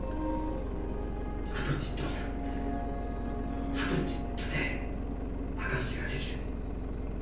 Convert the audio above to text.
あとちっとあとちっとで証しができる。